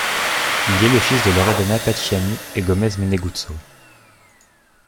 Il est le fils de Loredana Pacchiani et Gomez Meneguzzo.